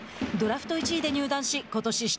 ドラフト１位で入団しことし